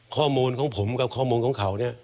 ข้อมูลของผมกับข้อมูลของเขาเนี่ย